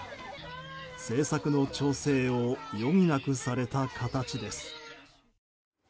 政策の調整を余儀なくされた形です。